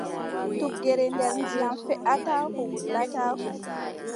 Tuggere nder ndiyam, feʼataako wulataako.